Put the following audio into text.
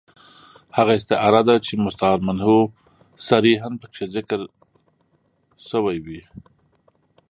هغه استعاره ده، چي مستعار منه صریحاً پکښي ذکر ىوى يي.